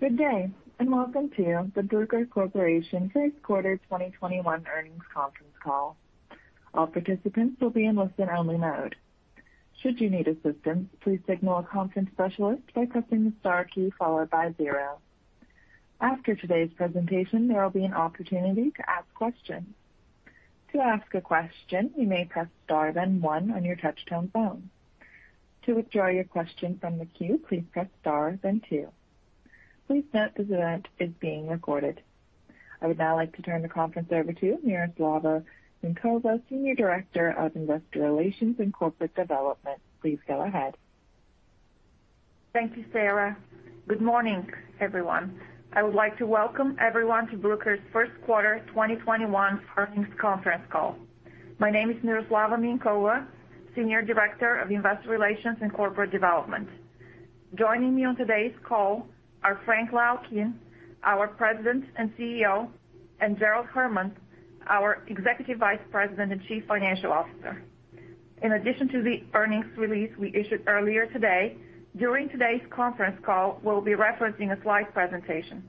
Good day, and welcome to the Bruker Corporation First Quarter 2021 Earnings Conference Call. All participants will be in listen-only mode. Should you need assistance, please signal a conference specialist by pressing the star key followed by zero. After today's presentation, there will be an opportunity to ask questions. To ask a question, you may press star then one on your touch-tone phone. To withdraw your question from the queue, please press star then two. Please note this event is being recorded. I would now like to turn the conference over to Miroslava Minkova, Senior Director of Investor Relations and Corporate Development. Please go ahead. Thank you, Sarah. Good morning, everyone. I would like to welcome everyone to Bruker's First Quarter 2021 Earnings Conference Call. My name is Miroslava Minkova, Senior Director of Investor Relations and Corporate Development. Joining me on today's call are Frank Laukien, our President and CEO, and Gerald Herman, our Executive Vice President and Chief Financial Officer. In addition to the earnings release we issued earlier today, during today's conference call, we'll be referencing a slide presentation.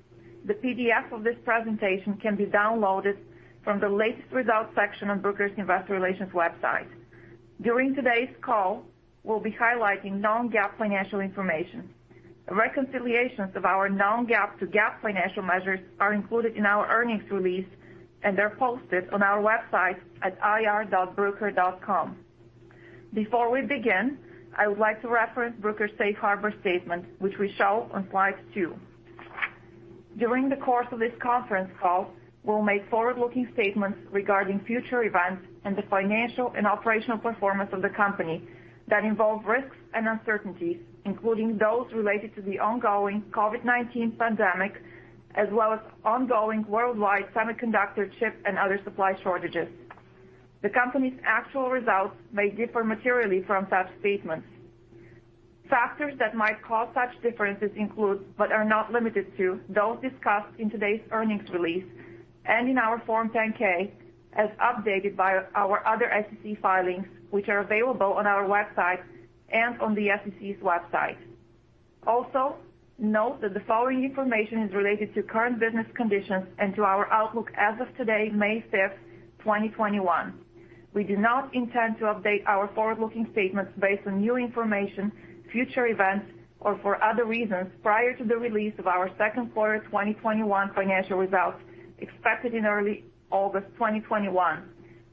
The PDF of this presentation can be downloaded from the latest results section on Bruker's Investor Relations website. During today's call, we'll be highlighting non-GAAP financial information. Reconciliations of our non-GAAP to GAAP financial measures are included in our earnings release and are posted on our website at ir.bruker.com. Before we begin, I would like to reference Bruker's Safe Harbor Statement, which we show on slide two. During the course of this conference call, we'll make forward-looking statements regarding future events and the financial and operational performance of the company that involve risks and uncertainties, including those related to the ongoing COVID-19 pandemic, as well as ongoing worldwide semiconductor chip and other supply shortages. The company's actual results may differ materially from such statements. Factors that might cause such differences include, but are not limited to, those discussed in today's earnings release and in our Form 10-K as updated by our other SEC filings, which are available on our website and on the SEC's website. Also, note that the following information is related to current business conditions and to our outlook as of today, May 5th, 2021. We do not intend to update our forward-looking statements based on new information, future events, or for other reasons prior to the release of our Second Quarter 2021 financial results expected in early August 2021,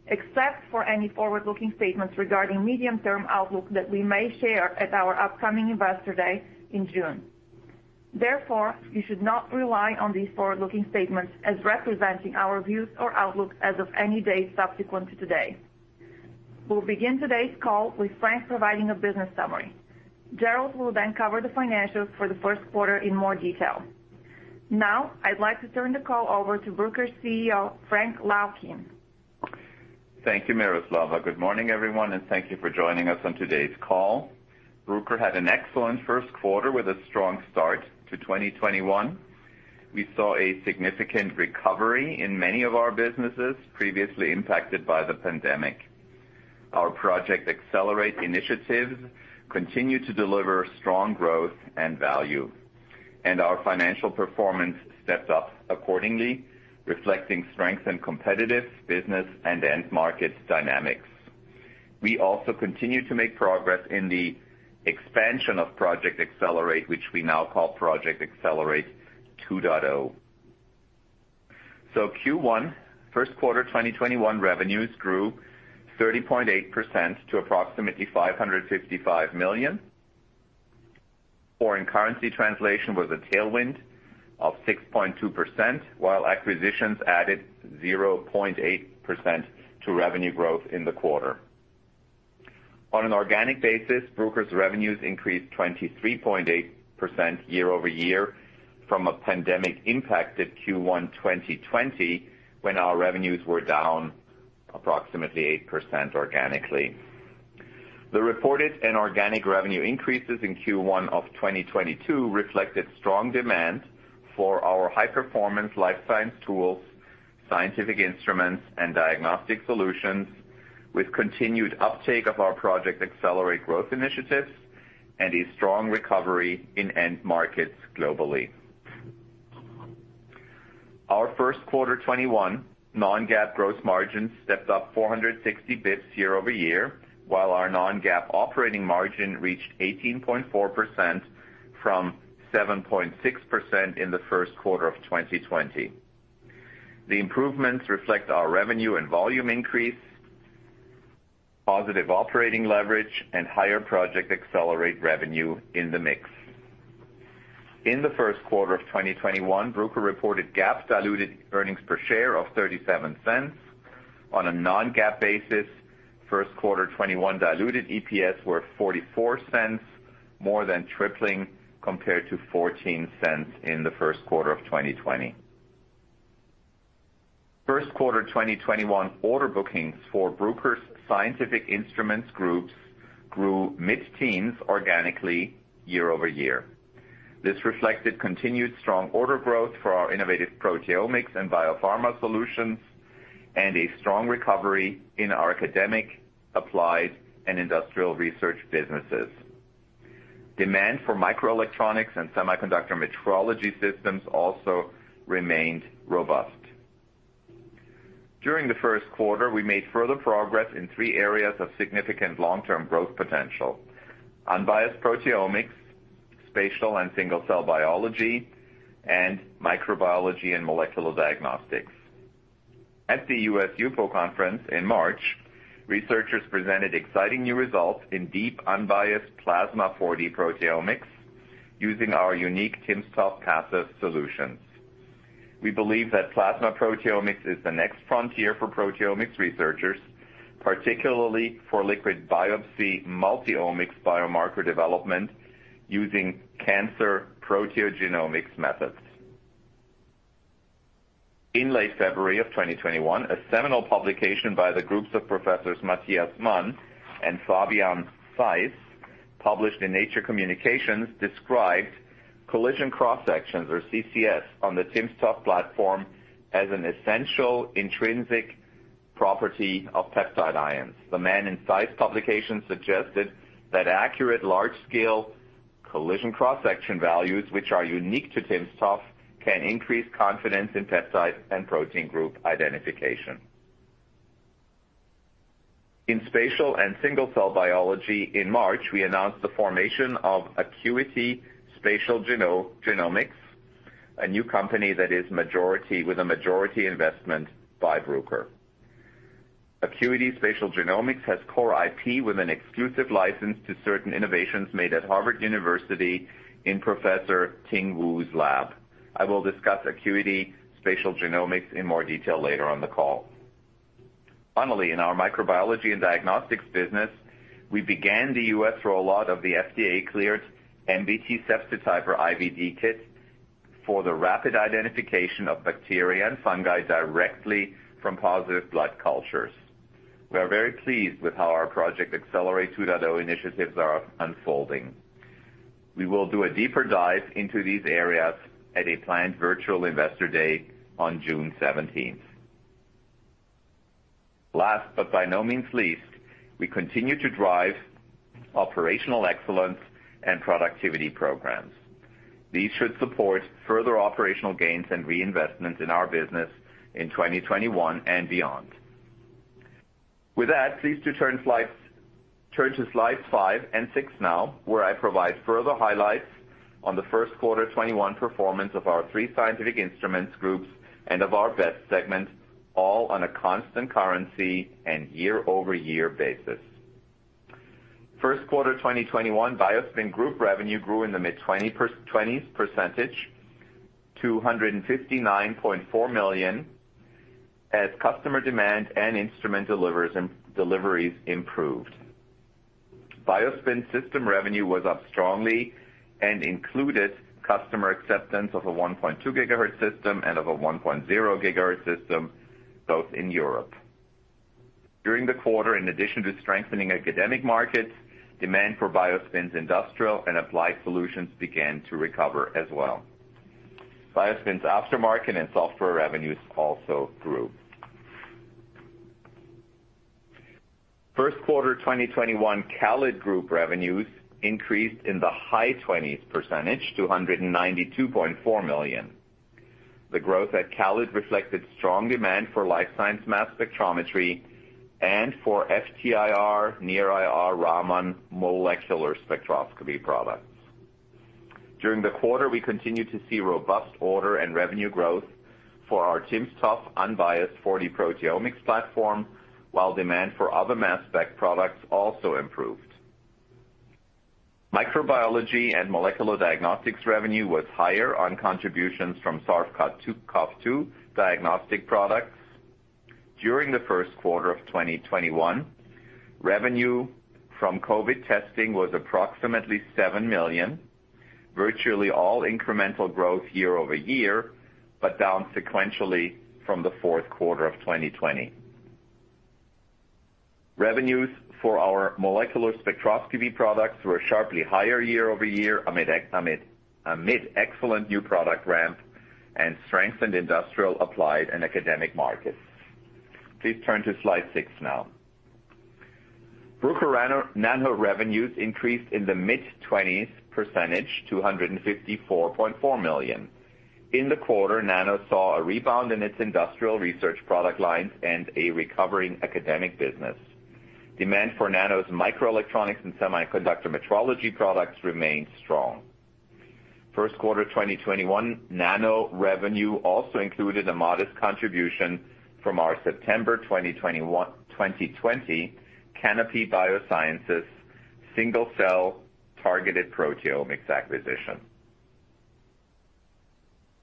except for any forward-looking statements regarding medium-term outlook that we may share at our upcoming Investor Day in June. Therefore, you should not rely on these forward-looking statements as representing our views or outlook as of any date subsequent to today. We'll begin today's call with Frank providing a business summary. Gerald will then cover the financials for the first quarter in more detail. Now, I'd like to turn the call over to Bruker's CEO, Frank Laukien. Thank you, Miroslava. Good morning, everyone, and thank you for joining us on today's call. Bruker had an excellent first quarter with a strong start to 2021. We saw a significant recovery in many of our businesses previously impacted by the pandemic. Our Project Accelerate initiatives continue to deliver strong growth and value, and our financial performance stepped up accordingly, reflecting strength in competitive business and end market dynamics. We also continue to make progress in the expansion of Project Accelerate, which we now call Project Accelerate 2.0. So Q1, First Quarter 2021 revenues grew 30.8% to approximately $555 million. Foreign currency translation was a tailwind of 6.2%, while acquisitions added 0.8% to revenue growth in the quarter. On an organic basis, Bruker's revenues increased 23.8% year-over-year from a pandemic-impacted Q1 2020, when our revenues were down approximately 8% organically. The reported and organic revenue increases in Q1 of 2022 reflected strong demand for our high-performance life science tools, scientific instruments, and diagnostic solutions, with continued uptake of our Project Accelerate growth initiatives and a strong recovery in end markets globally. Our First Quarter 2021 non-GAAP gross margins stepped up 460 basis points year-over-year, while our non-GAAP operating margin reached 18.4% from 7.6% in the first quarter of 2020. The improvements reflect our revenue and volume increase, positive operating leverage, and higher Project Accelerate revenue in the mix. In the first quarter of 2021, Bruker reported GAAP-diluted earnings per share of $0.37. On a non-GAAP basis, First Quarter 2021 diluted EPS were $0.44, more than tripling compared to $0.14 in the first quarter of 2020. First Quarter 2021 order bookings for Bruker's scientific instruments groups grew mid-teens organically year-over-year. This reflected continued strong order growth for our innovative proteomics and biopharma solutions and a strong recovery in our academic, applied, and industrial research businesses. Demand for microelectronics and semiconductor metrology systems also remained robust. During the first quarter, we made further progress in three areas of significant long-term growth potential: unbiased proteomics, spatial and single-cell biology, and microbiology and molecular diagnostics. At the U.S. HUPO Conference in March, researchers presented exciting new results in deep unbiased plasma 4D proteomics using our unique timsTOF PASEF solutions. We believe that plasma proteomics is the next frontier for proteomics researchers, particularly for liquid biopsy multi-omics biomarker development using cancer proteogenomics methods. In late February of 2021, a seminal publication by the groups of professors Matthias Mann and Fabian Theis published in Nature Communications described collision cross sections, or CCS, on the timsTOF platform as an essential intrinsic property of peptide ions. The Mann and Theis publication suggested that accurate large-scale collision cross-section values, which are unique to timsTOF, can increase confidence in peptide and protein group identification. In spatial and single-cell biology, in March, we announced the formation of Acuity Spatial Genomics, a new company that is with a majority investment by Bruker. Acuity Spatial Genomics has core IP with an exclusive license to certain innovations made at Harvard University in Professor Ting Wu's lab. I will discuss Acuity Spatial Genomics in more detail later on the call. Finally, in our microbiology and diagnostics business, we began the U.S. rollout of the FDA-cleared MBT Sepsityper IVD Kit for the rapid identification of bacteria and fungi directly from positive blood cultures. We are very pleased with how our Project Accelerate 2.0 initiatives are unfolding. We will do a deeper dive into these areas at a planned virtual Investor Day on June 17th. Last, but by no means least, we continue to drive operational excellence and productivity programs. These should support further operational gains and reinvestment in our business in 2021 and beyond. With that, please turn to slides five and six now, where I provide further highlights on the First Quarter 2021 performance of our three scientific instruments groups and of our BEST segment, all on a constant currency and year-over-year basis. First Quarter 2021, BioSpin Group revenue grew in the mid-20s% to $159.4 million as customer demand and instrument deliveries improved. BioSpin system revenue was up strongly and included customer acceptance of a 1.2 GHz system and of a 1.0 GHz system, both in Europe. During the quarter, in addition to strengthening academic markets, demand for BioSpin's industrial and applied solutions began to recover as well. BioSpin's aftermarket and software revenues also grew. First Quarter 2021, CALID Group revenues increased in the high 20s% to $192.4 million. The growth at CALID reflected strong demand for life science mass spectrometry and for FTIR, Near-IR Raman molecular spectroscopy products. During the quarter, we continued to see robust order and revenue growth for our timsTOF unbiased 4D proteomics platform, while demand for other mass spec products also improved. Microbiology and molecular diagnostics revenue was higher on contributions from SARS-CoV-2 diagnostic products. During the first quarter of 2021, revenue from COVID testing was approximately $7 million, virtually all incremental growth year-over-year, but down sequentially from the fourth quarter of 2020. Revenues for our molecular spectroscopy products were sharply higher year-over-year amid excellent new product ramp and strengthened industrial, applied, and academic markets. Please turn to slide six now. Bruker Nano revenues increased in the mid-20s% to $154.4 million. In the quarter, Nano saw a rebound in its industrial research product lines and a recovering academic business. Demand for Nano's microelectronics and semiconductor metrology products remained strong. First Quarter 2021, Nano revenue also included a modest contribution from our September 2020 Canopy Biosciences single-cell targeted proteomics acquisition.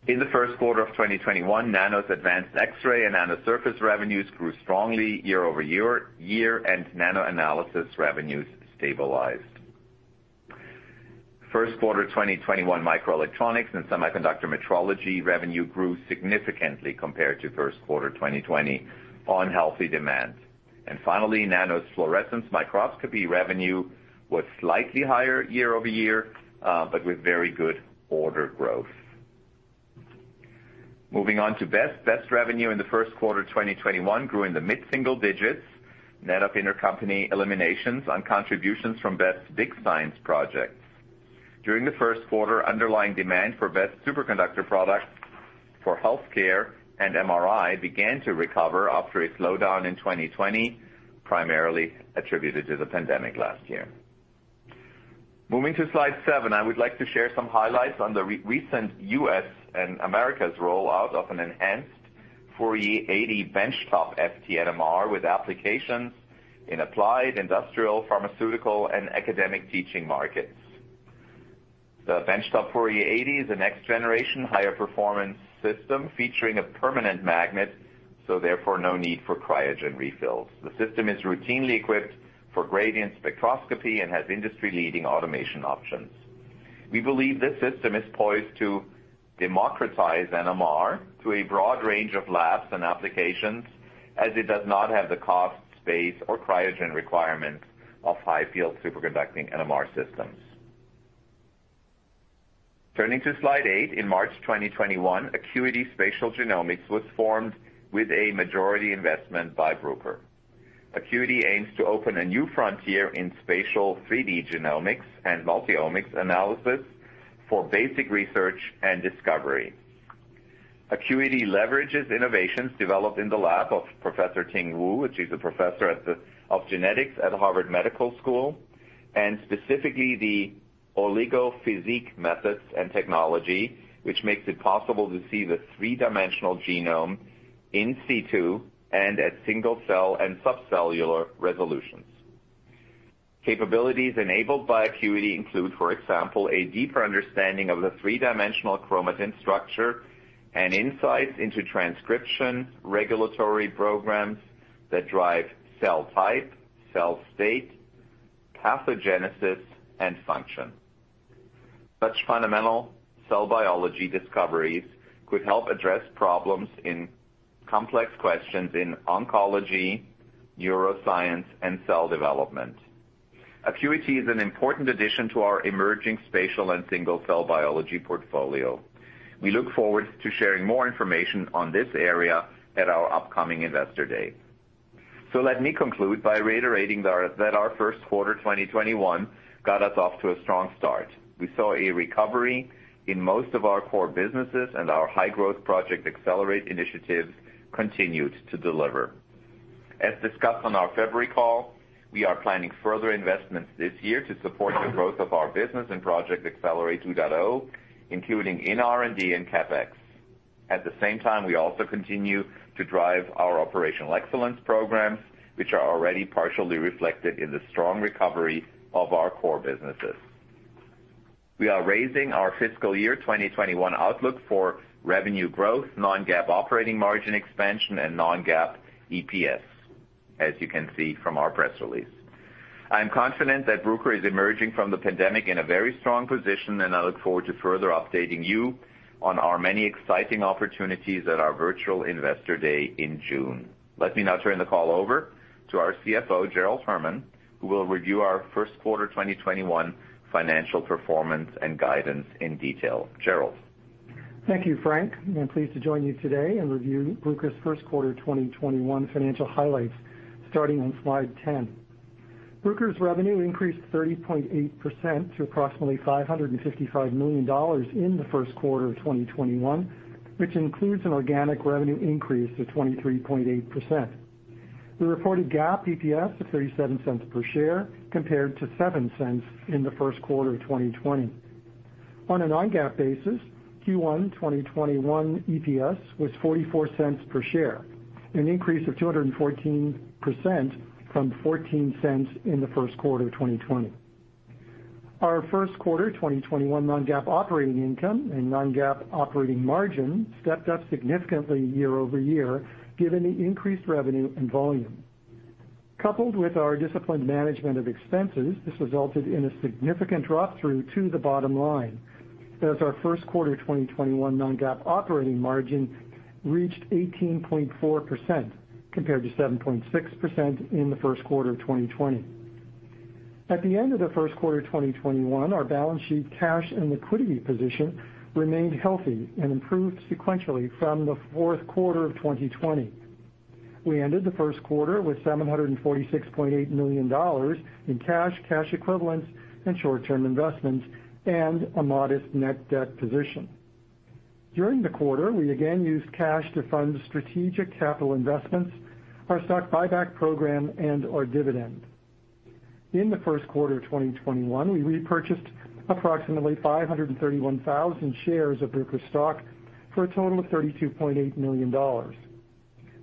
In the first quarter of 2021, Nano's advanced X-ray and Nano Surfaces revenues grew strongly year-over-year, and Nano Analysis revenues stabilized. First Quarter 2021, microelectronics and semiconductor metrology revenue grew significantly compared to First Quarter 2020 on healthy demand, and finally, Nano's fluorescence microscopy revenue was slightly higher year-over-year, but with very good order growth. Moving on to BEST, BEST revenue in the first quarter 2021 grew in the mid-single digits, net of intercompany eliminations on contributions from BEST's big science projects. During the first quarter, underlying demand for BEST's superconductor products for healthcare and MRI began to recover after a slowdown in 2020, primarily attributed to the pandemic last year. Moving to slide seven, I would like to share some highlights on the recent U.S. and Americas' rollout of an enhanced Fourier 80 benchtop FT-NMR with applications in applied, industrial, pharmaceutical, and academic teaching markets. The benchtop Fourier 80 is a next-generation higher performance system featuring a permanent magnet, so therefore no need for cryogen refills. The system is routinely equipped for gradient spectroscopy and has industry-leading automation options. We believe this system is poised to democratize NMR to a broad range of labs and applications as it does not have the cost, space, or cryogen requirements of high-field superconducting NMR systems. Turning to slide eight, in March 2021, Acuity Spatial Genomics was formed with a majority investment by Bruker. Acuity aims to open a new frontier in spatial 3D genomics and multi-omics analysis for basic research and discovery. Acuity leverages innovations developed in the lab of Professor Ting Wu, which is a professor of genetics at Harvard Medical School, and specifically the Oligopaints methods and technology, which makes it possible to see the three-dimensional genome in situ and at single-cell and subcellular resolutions. Capabilities enabled by Acuity include, for example, a deeper understanding of the three-dimensional chromatin structure and insights into transcription regulatory programs that drive cell type, cell state, pathogenesis, and function. Such fundamental cell biology discoveries could help address problems in complex questions in oncology, neuroscience, and cell development. Acuity is an important addition to our emerging spatial and single-cell biology portfolio. We look forward to sharing more information on this area at our upcoming Investor Day. So let me conclude by reiterating that our First Quarter 2021 got us off to a strong start. We saw a recovery in most of our core businesses, and our high-growth Project Accelerate initiatives continued to deliver. As discussed on our February call, we are planning further investments this year to support the growth of our business in Project Accelerate 2.0, including in R&D and CapEx. At the same time, we also continue to drive our operational excellence programs, which are already partially reflected in the strong recovery of our core businesses. We are raising our fiscal year 2021 outlook for revenue growth, non-GAAP operating margin expansion, and non-GAAP EPS, as you can see from our press release. I'm confident that Bruker is emerging from the pandemic in a very strong position, and I look forward to further updating you on our many exciting opportunities at our virtual Investor Day in June. Let me now turn the call over to our CFO, Gerald Herman, who will review our First Quarter 2021 financial performance and guidance in detail. Gerald. Thank you, Frank. I'm pleased to join you today and review Bruker's First Quarter 2021 financial highlights starting on slide 10. Bruker's revenue increased 30.8% to approximately $555 million in the first quarter of 2021, which includes an organic revenue increase of 23.8%. We reported GAAP EPS of $0.37 per share compared to $0.07 in the first quarter of 2020. On a non-GAAP basis, Q1 2021 EPS was $0.44 per share, an increase of 214% from $0.14 in the first quarter of 2020. Our First Quarter 2021 non-GAAP operating income and non-GAAP operating margin stepped up significantly year-over-year given the increased revenue and volume. Coupled with our disciplined management of expenses, this resulted in a significant drop-through to the bottom line as our First Quarter 2021 non-GAAP operating margin reached 18.4% compared to 7.6% in the first quarter of 2020. At the end of the First Quarter 2021, our balance sheet cash and liquidity position remained healthy and improved sequentially from the fourth quarter of 2020. We ended the first quarter with $746.8 million in cash, cash equivalents, and short-term investments, and a modest net debt position. During the quarter, we again used cash to fund strategic capital investments, our stock buyback program, and our dividend. In the first quarter of 2021, we repurchased approximately 531,000 shares of Bruker stock for a total of $32.8 million.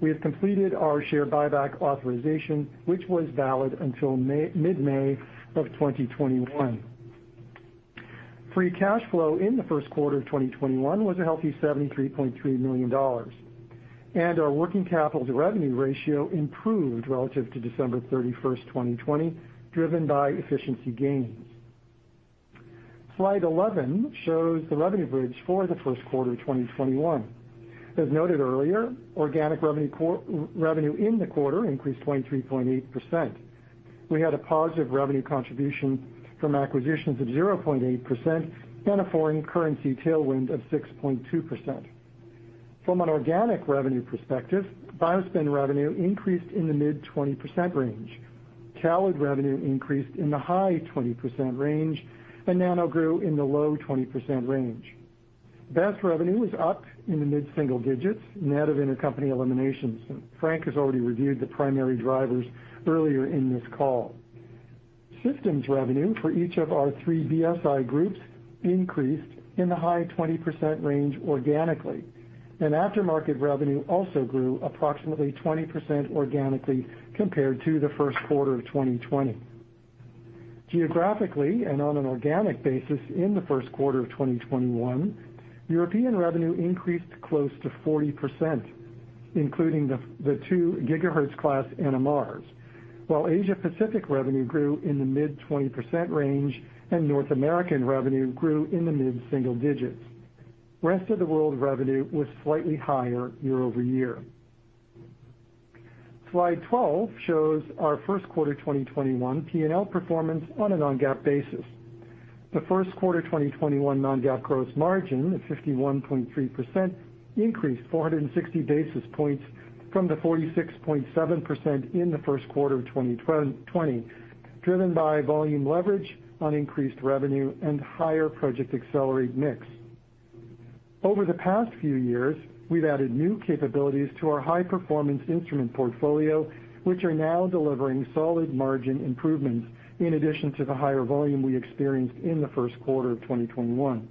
We have completed our share buyback authorization, which was valid until mid-May of 2021. Free cash flow in the first quarter of 2021 was a healthy $73.3 million, and our working capital to revenue ratio improved relative to December 31st, 2020, driven by efficiency gains. Slide 11 shows the revenue bridge for the first quarter of 2021. As noted earlier, organic revenue in the quarter increased 23.8%. We had a positive revenue contribution from acquisitions of 0.8% and a foreign currency tailwind of 6.2%. From an organic revenue perspective, BioSpin revenue increased in the mid-20% range. CALID revenue increased in the high-20% range, and Nano grew in the low-20% range. BEST revenue was up in the mid-single digits, net of intercompany eliminations. Frank has already reviewed the primary drivers earlier in this call. Systems revenue for each of our three BSI groups increased in the high 20% range organically, and aftermarket revenue also grew approximately 20% organically compared to the first quarter of 2020. Geographically and on an organic basis in the first quarter of 2021, European revenue increased close to 40%, including the two GHz class NMRs, while Asia-Pacific revenue grew in the mid-20% range and North American revenue grew in the mid-single digits. Rest of the world revenue was slightly higher year-over-year. Slide 12 shows our First Quarter 2021 P&L performance on a non-GAAP basis. The First Quarter 2021 non-GAAP gross margin of 51.3% increased 460 basis points from the 46.7% in the first quarter of 2020, driven by volume leverage on increased revenue and higher Project Accelerate mix. Over the past few years, we've added new capabilities to our high-performance instrument portfolio, which are now delivering solid margin improvements in addition to the higher volume we experienced in the first quarter of 2021.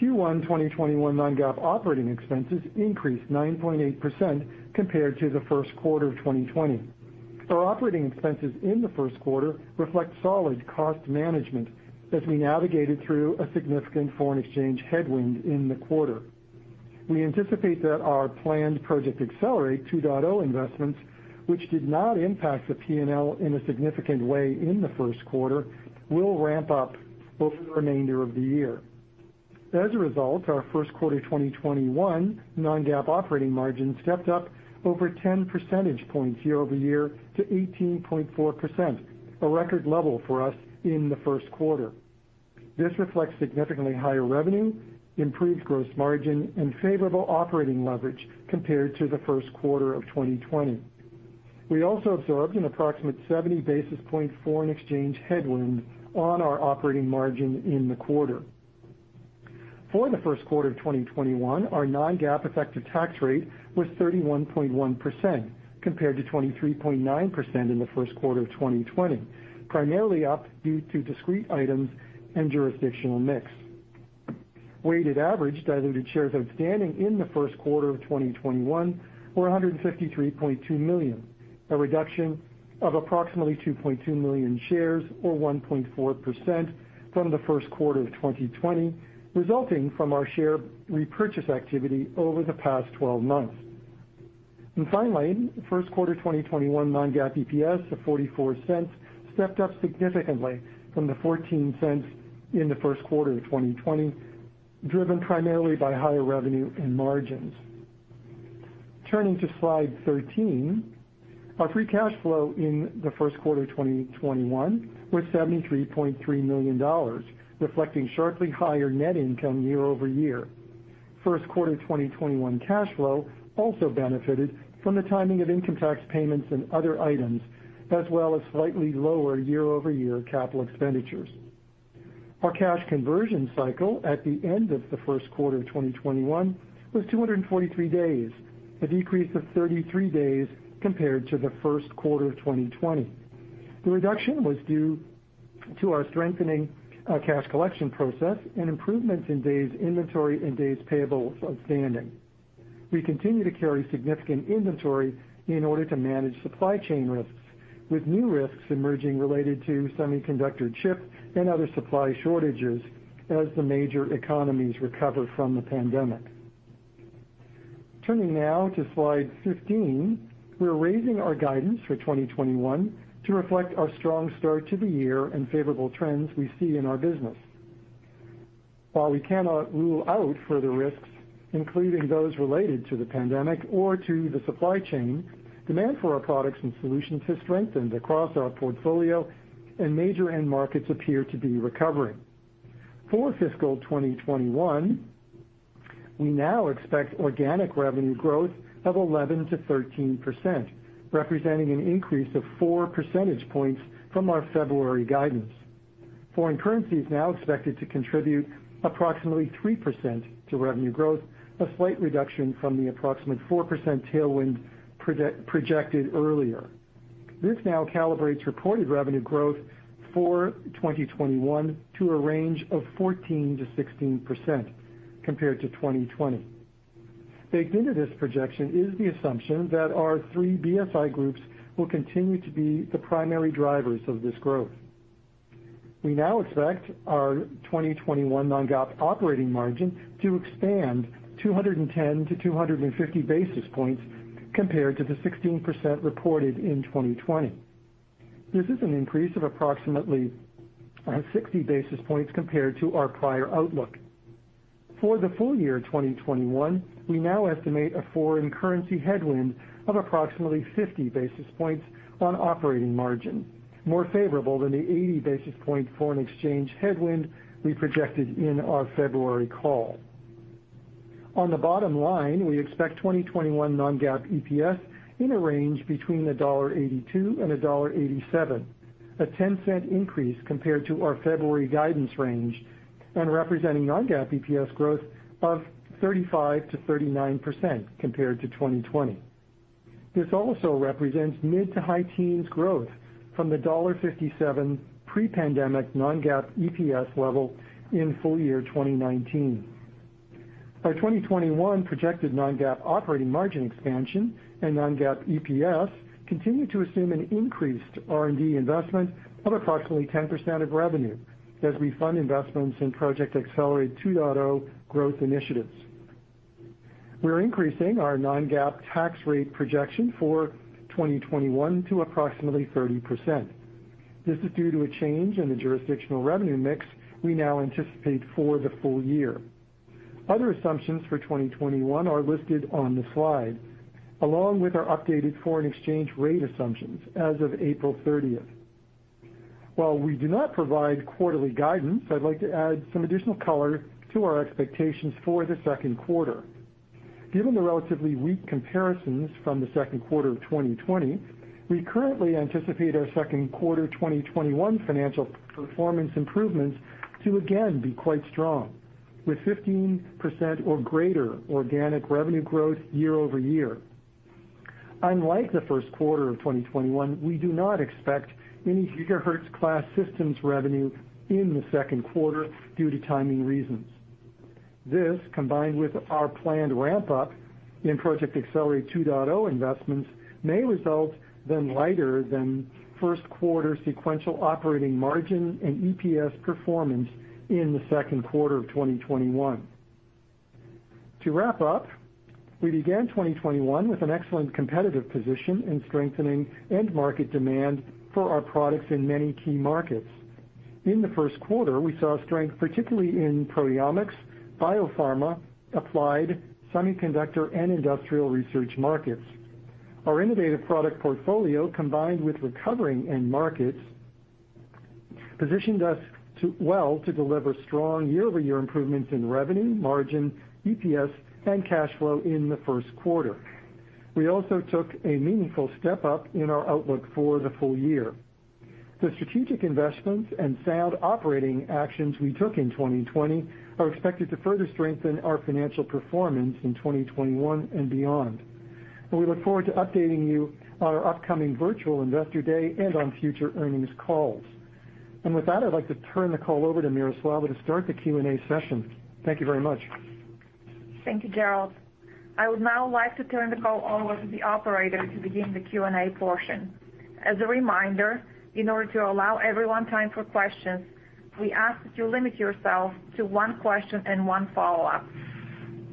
Q1 2021 non-GAAP operating expenses increased 9.8% compared to the first quarter of 2020. Our operating expenses in the first quarter reflect solid cost management as we navigated through a significant foreign exchange headwind in the quarter. We anticipate that our planned Project Accelerate 2.0 investments, which did not impact the P&L in a significant way in the first quarter, will ramp up over the remainder of the year. As a result, our First Quarter 2021 non-GAAP operating margin stepped up over 10 percentage points year-over-year to 18.4%, a record level for us in the first quarter. This reflects significantly higher revenue, improved gross margin, and favorable operating leverage compared to the first quarter of 2020. We also observed an approximate 70 basis point foreign exchange headwind on our operating margin in the quarter. For the first quarter of 2021, our non-GAAP effective tax rate was 31.1% compared to 23.9% in the first quarter of 2020, primarily up due to discrete items and jurisdictional mix. Weighted average diluted shares outstanding in the first quarter of 2021 were 153.2 million, a reduction of approximately 2.2 million shares or 1.4% from the first quarter of 2020, resulting from our share repurchase activity over the past 12 months. And finally, First Quarter 2021 non-GAAP EPS of $0.44 stepped up significantly from the $0.14 in the first quarter of 2020, driven primarily by higher revenue and margins. Turning to slide 13, our free cash flow in the first quarter of 2021 was $73.3 million, reflecting sharply higher net income year-over-year. First Quarter 2021 cash flow also benefited from the timing of income tax payments and other items, as well as slightly lower year-over-year capital expenditures. Our cash conversion cycle at the end of the first quarter of 2021 was 243 days, a decrease of 33 days compared to the first quarter of 2020. The reduction was due to our strengthening cash collection process and improvements in days inventory and days payable outstanding. We continue to carry significant inventory in order to manage supply chain risks, with new risks emerging related to semiconductor chip and other supply shortages as the major economies recover from the pandemic. Turning now to slide 15, we're raising our guidance for 2021 to reflect our strong start to the year and favorable trends we see in our business. While we cannot rule out further risks, including those related to the pandemic or to the supply chain, demand for our products and solutions has strengthened across our portfolio, and major end markets appear to be recovering. For fiscal 2021, we now expect organic revenue growth of 11%-13%, representing an increase of 4 percentage points from our February guidance. Foreign currency is now expected to contribute approximately 3% to revenue growth, a slight reduction from the approximate 4% tailwind projected earlier. This now calibrates reported revenue growth for 2021 to a range of 14%-16% compared to 2020. Baked into this projection is the assumption that our three BSI groups will continue to be the primary drivers of this growth. We now expect our 2021 non-GAAP operating margin to expand 210 to 250 basis points compared to the 16% reported in 2020. This is an increase of approximately 60 basis points compared to our prior outlook. For the full year 2021, we now estimate a foreign currency headwind of approximately 50 basis points on operating margin, more favorable than the 80 basis point foreign exchange headwind we projected in our February call. On the bottom line, we expect 2021 non-GAAP EPS in a range between $1.82 and $1.87, a $0.10 increase compared to our February guidance range and representing non-GAAP EPS growth of 35%-39% compared to 2020. This also represents mid to high teens growth from the $1.57 pre-pandemic non-GAAP EPS level in full year 2019. Our 2021 projected non-GAAP operating margin expansion and non-GAAP EPS continue to assume an increased R&D investment of approximately 10% of revenue as we fund investments in Project Accelerate 2.0 growth initiatives. We're increasing our non-GAAP tax rate projection for 2021 to approximately 30%. This is due to a change in the jurisdictional revenue mix we now anticipate for the full year. Other assumptions for 2021 are listed on the slide, along with our updated foreign exchange rate assumptions as of April 30th. While we do not provide quarterly guidance, I'd like to add some additional color to our expectations for the second quarter. Given the relatively weak comparisons from the second quarter of 2020, we currently anticipate our second quarter 2021 financial performance improvements to again be quite strong, with 15% or greater organic revenue growth year-over-year. Unlike the first quarter of 2021, we do not expect any GHz class systems revenue in the second quarter due to timing reasons. This, combined with our planned ramp-up in Project Accelerate 2.0 investments, may result in lighter than first quarter sequential operating margin and EPS performance in the second quarter of 2021. To wrap up, we began 2021 with an excellent competitive position in strengthening end market demand for our products in many key markets. In the first quarter, we saw strength particularly in proteomics, biopharma, applied semiconductor, and industrial research markets. Our innovative product portfolio, combined with recovering end markets, positioned us well to deliver strong year-over-year improvements in revenue, margin, EPS, and cash flow in the first quarter. We also took a meaningful step up in our outlook for the full year. The strategic investments and sound operating actions we took in 2020 are expected to further strengthen our financial performance in 2021 and beyond. We look forward to updating you on our upcoming virtual Investor Day and on future earnings calls, and with that, I'd like to turn the call over to Miroslava to start the Q&A session. Thank you very much. Thank you, Gerald. I would now like to turn the call over to the operator to begin the Q&A portion. As a reminder, in order to allow everyone time for questions, we ask that you limit yourself to one question and one follow-up.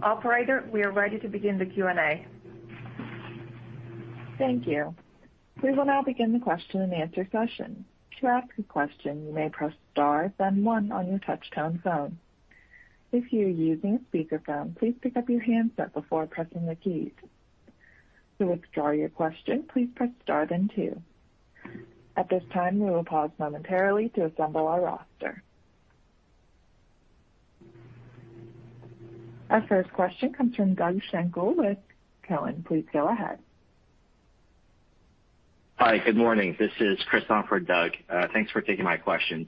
Operator, we are ready to begin the Q&A. Thank you. We will now begin the question and answer session. To ask a question, you may press star then one on your touch-tone phone. If you're using a speakerphone, please pick up your handset before pressing the keys. To withdraw your question, please press star then two. At this time, we will pause momentarily to assemble our roster. Our first question comes from Doug Schenkel with Cowen. Please go ahead. Hi, good morning. This is Chris on for Doug. Thanks for taking my questions.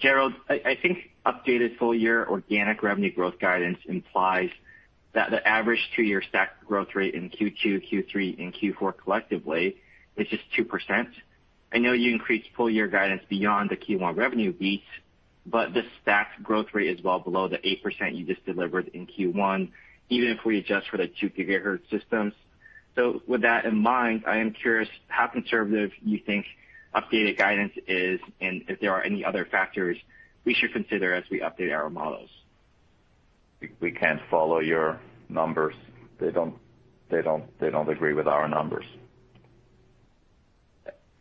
Gerald, I think updated full year organic revenue growth guidance implies that the average two-year stack growth rate in Q2, Q3, and Q4 collectively is just 2%. I know you increased full year guidance beyond the Q1 revenue beats, but the stack growth rate is well below the 8% you just delivered in Q1, even if we adjust for the two GHz systems. So with that in mind, I am curious how conservative you think updated guidance is and if there are any other factors we should consider as we update our models. We can't follow your numbers. They don't agree with our numbers.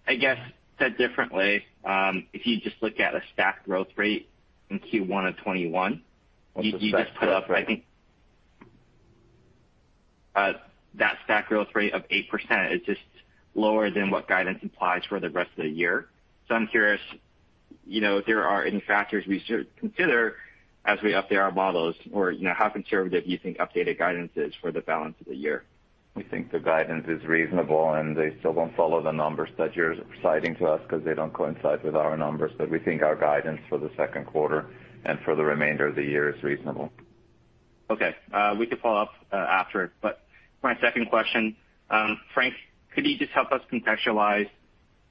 I guess, said differently, if you just look at a stack growth rate in Q1 of 2021, you just put up, I think. That's correct. That stack growth rate of 8% is just lower than what guidance implies for the rest of the year. So I'm curious if there are any factors we should consider as we update our models or how conservative you think updated guidance is for the balance of the year? We think the guidance is reasonable, and they still don't follow the numbers that you're citing to us because they don't coincide with our numbers. But we think our guidance for the second quarter and for the remainder of the year is reasonable. Okay. We can follow up after it. But my second question, Frank, could you just help us contextualize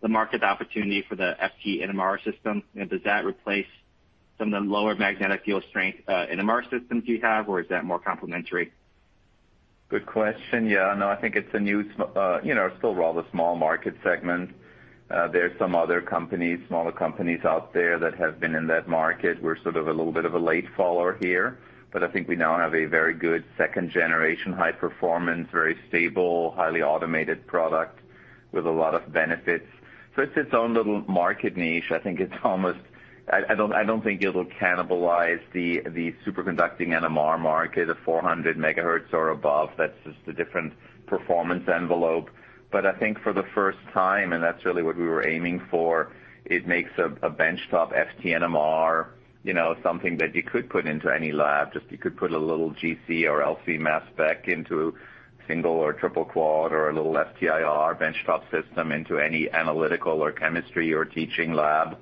the market opportunity for the FT NMR system? Does that replace some of the lower magnetic field strength NMR systems you have, or is that more complementary? Good question. Yeah. No, I think it's a new, still rather small market segment. There are some other companies, smaller companies out there that have been in that market. We're sort of a little bit of a late follower here, but I think we now have a very good second-generation high-performance, very stable, highly automated product with a lot of benefits. So it's its own little market niche. I think it's almost, I don't think it'll cannibalize the superconducting NMR market of 400 megahertz or above. That's just a different performance envelope. But I think for the first time, and that's really what we were aiming for, it makes a benchtop FT NMR something that you could put into any lab. Just, you could put a little GC or LC mass spec into a single or triple quad or a little FTIR benchtop system into any analytical or chemistry or teaching lab,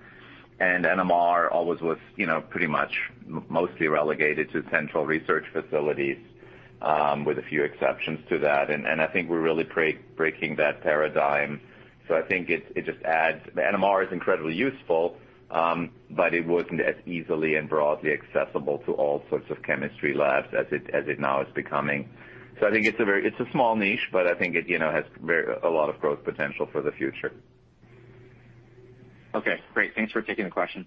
and NMR always was pretty much mostly relegated to central research facilities with a few exceptions to that, and I think we're really breaking that paradigm, so I think it just adds, the NMR is incredibly useful, but it wasn't as easily and broadly accessible to all sorts of chemistry labs as it now is becoming, so I think it's a small niche, but I think it has a lot of growth potential for the future. Okay. Great. Thanks for taking the questions.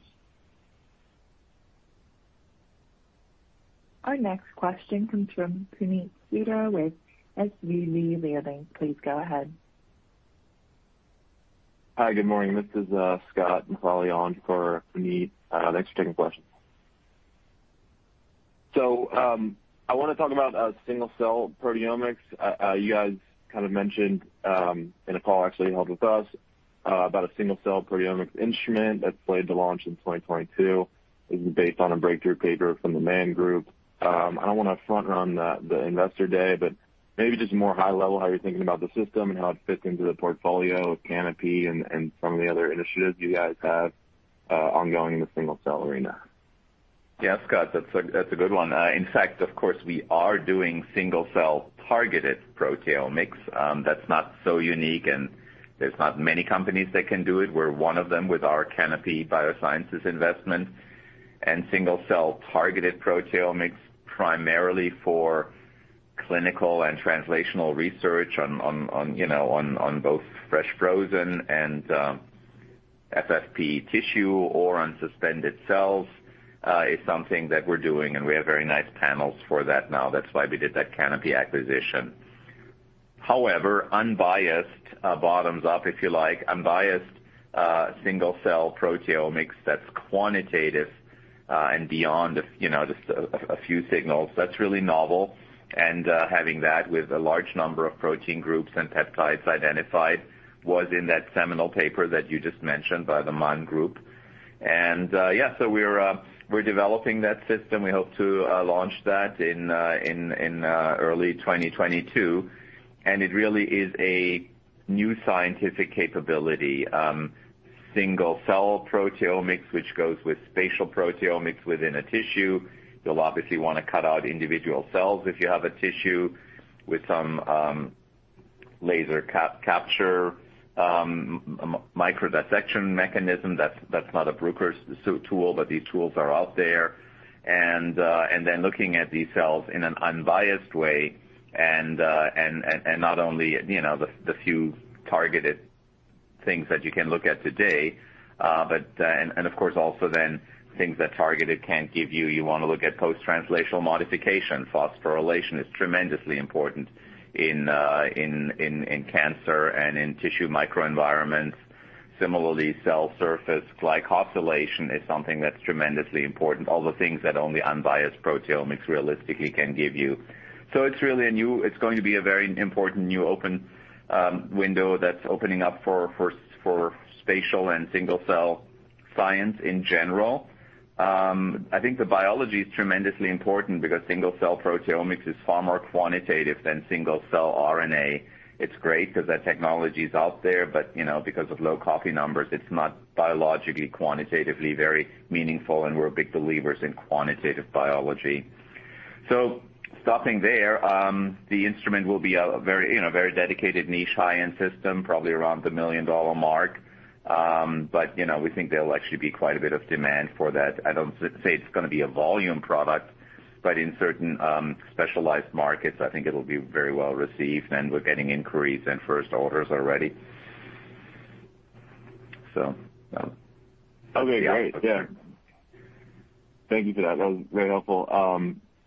Our next question comes from Puneet Souda with SVB Leerink. Please go ahead. Hi, good morning. This is Scott following on for Puneet. Thanks for taking the question. So I want to talk about single-cell proteomics. You guys kind of mentioned in a call actually held with us about a single-cell proteomics instrument that's slated to launch in 2022. This is based on a breakthrough paper from the Mann Group. I don't want to front-run the Investor Day, but maybe just more high level how you're thinking about the system and how it fits into the portfolio of Canopy and some of the other initiatives you guys have ongoing in the single-cell arena. Yeah, Scott, that's a good one. In fact, of course, we are doing single-cell targeted proteomics. That's not so unique, and there's not many companies that can do it. We're one of them with our Canopy Biosciences investment and single-cell targeted proteomics primarily for clinical and translational research on both fresh frozen and FFPE tissue or on suspended cells is something that we're doing. And we have very nice panels for that now. That's why we did that Canopy acquisition. However, unbiased, bottoms up if you like, unbiased single-cell proteomics that's quantitative and beyond just a few signals. That's really novel. And having that with a large number of protein groups and peptides identified was in that seminal paper that you just mentioned by the Mann Group. And yeah, so we're developing that system. We hope to launch that in early 2022. And it really is a new scientific capability. Single-cell proteomics, which goes with spatial proteomics within a tissue. You'll obviously want to cut out individual cells if you have a tissue with some laser capture microdissection mechanism. That's not a Bruker's tool, but these tools are out there, and then looking at these cells in an unbiased way and not only the few targeted things that you can look at today, but, and of course, also then things that targeted can't give you. You want to look at post-translational modification. Phosphorylation is tremendously important in cancer and in tissue microenvironments. Similarly, cell surface glycosylation is something that's tremendously important, all the things that only unbiased proteomics realistically can give you. So it's really a new; it's going to be a very important new open window that's opening up for spatial and single-cell science in general. I think the biology is tremendously important because single-cell proteomics is far more quantitative than single-cell RNA. It's great because that technology is out there, but because of low copy numbers, it's not biologically quantitatively very meaningful, and we're big believers in quantitative biology. So stopping there, the instrument will be a very dedicated niche high-end system, probably around the $1 million mark. But we think there'll actually be quite a bit of demand for that. I don't say it's going to be a volume product, but in certain specialized markets, I think it'll be very well received, and we're getting inquiries and first orders already. So. Okay. Great. Yeah. Thank you for that. That was very helpful.